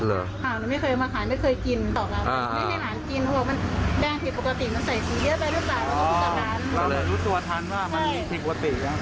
อ๋อรู้ตัวทันมันมีผิดความติด